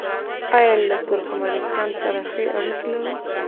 آیا له ترکمنستان سره ښې اړیکې لرو؟